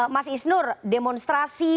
mas isnur demonstrasi